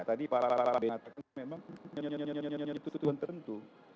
tadi pak benatang memang menyetujuan tertentu